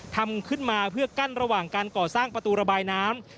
ทำขึ้นมาเพื่อกั้นระหว่างการก่อสร้างประตูระบายน้ำ